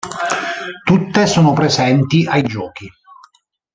Tutte sono presenti ai Giochi.